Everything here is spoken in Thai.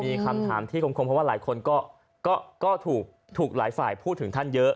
มีคำถามที่คมเพราะว่าหลายคนก็ถูกหลายฝ่ายพูดถึงท่านเยอะ